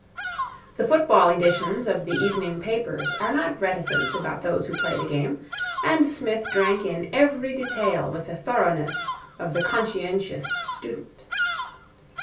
The football editions of the evening papers are not reticent about those who play the game: and Psmith drank in every detail with the thoroughness of the conscientious student.